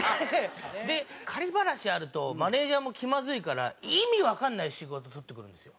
バラシあるとマネージャーも気まずいから意味わかんない仕事取ってくるんですよ。